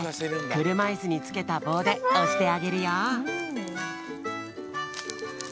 くるまいすにつけたぼうでおしてあげるよ。